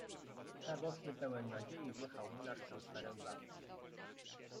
Radosny, pełen nadziei, wjechał młynarz w tę sferę blasków.